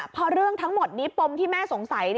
พอเรื่องทั้งหมดนี้ปมที่แม่สงสัย